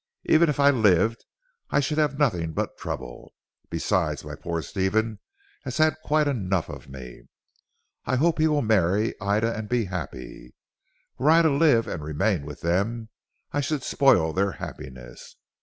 Even if I lived I should have nothing but trouble. Besides my poor Stephen has had quite enough of me. I hope he will marry Ida and be happy. Were I to live and remain with them I should spoil their happiness.